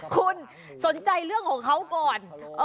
คุณสนใจเรื่องของเขาก่อน